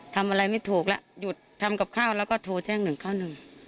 ทำอะไรไม่ถูกแล้วหยุดทำกับข้าวแล้วก็โทรแจ้งหนึ่งเก้าหนึ่ง